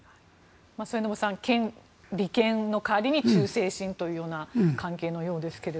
末延さん、利権の代わりに忠誠心というような関係のようですが。